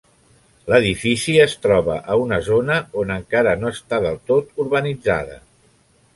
L'edifici es troba a una zona on encara no està del tot urbanitzada.